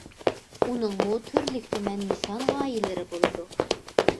ئۇنىڭمۇ تۈرلۈك- تۈمەن نىشان- غايىلىرى بولىدۇ.